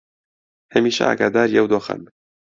هەمیشە ئاگاداری ئەو دۆخەن